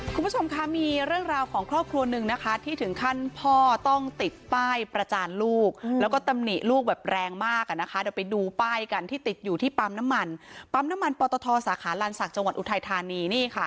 คุณผู้ชมคะมีเรื่องราวของครอบครัวหนึ่งนะคะที่ถึงขั้นพ่อต้องติดป้ายประจานลูกแล้วก็ตำหนิลูกแบบแรงมากอ่ะนะคะเดี๋ยวไปดูป้ายกันที่ติดอยู่ที่ปั๊มน้ำมันปั๊มน้ำมันปอตทสาขาลันศักดิ์จังหวัดอุทัยธานีนี่ค่ะ